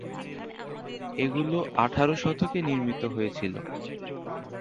এগুলো আঠারো শতকে নির্মিত হয়েছিল।